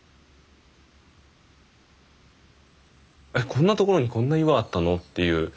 こんなところにこんな岩あったの？っていう